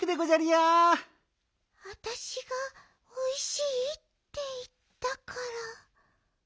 わたしが「おいしい」っていったから。